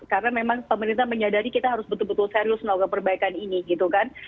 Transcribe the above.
karena memang pemerintah menyadari kita harus betul betul serius melakukan perbaikan ini gitu kan